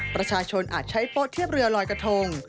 ประชาชนอาจใช้โป๊เทียบเรือลอยกระทง